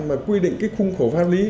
mà quy định cái khung khổ pháp lý